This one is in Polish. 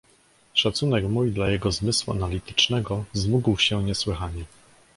"Szacunek mój dla jego zmysłu analitycznego wzmógł się niesłychanie."